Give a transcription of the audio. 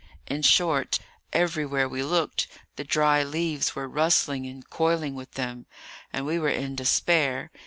In short, everywhere we looked, the dry leaves were rustling and coiling with them; and we were in despair.